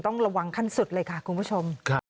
ต้องระวังขั้นสุดเลยค่ะคุณผู้ชม